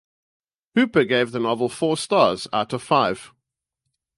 Hooper gave the novel four stars out of five.